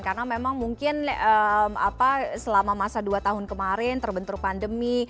karena memang mungkin selama masa dua tahun kemarin terbentur pandemi